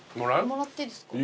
もらっていいですか？